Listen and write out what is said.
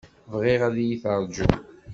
Bɣiɣ ad yi-terjum.